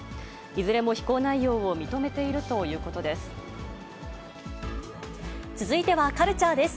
いずれも非行内容を認めているということです。